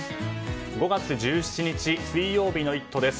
５月１７日水曜日の「イット！」です。